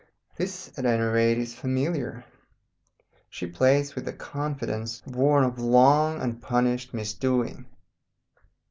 This, at any rate, is familiar. She plays with the confidence born of long unpunished misdoing.